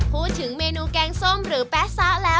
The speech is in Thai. พูดถึงเมนูแกงส้มหรือแป๊ซะแล้ว